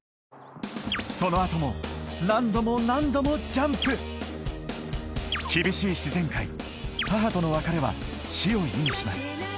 そのあとも何度も何度もジャンプ厳しい自然界母との別れは死を意味します